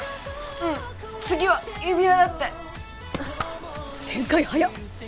うん次は指輪だって展開早っ！